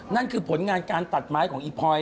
นั่นคือผลงานการตัดไม้ของอีพลอย